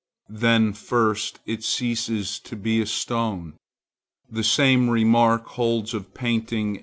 Then first it ceases to be a stone. The same remark holds of painting.